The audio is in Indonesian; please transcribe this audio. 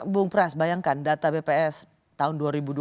bung pras bayangkan data bps tahun dua ribu dua puluh